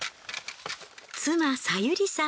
妻さゆりさん